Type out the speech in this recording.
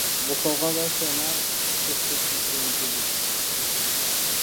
Bohlokwa ba sona thothokisong ke bofe?